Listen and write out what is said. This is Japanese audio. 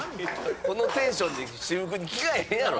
このテンションで私服に着替えへんやろ。